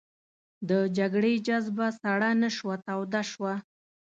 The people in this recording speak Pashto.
د جګړې جذبه سړه نه شوه توده شوه.